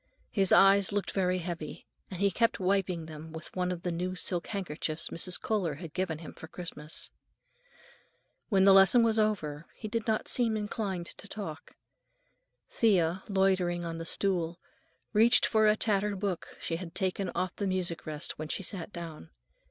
His eyes looked very heavy, and he kept wiping them with one of the new silk handkerchiefs Mrs. Kohler had given him for Christmas. When the lesson was over he did not seem inclined to talk. Thea, loitering on the stool, reached for a tattered book she had taken off the music rest when she sat down.